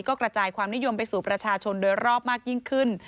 ก็กระจายความนิยมไปสู่ประชาชนโดยรอบมากยิ่งขึ้น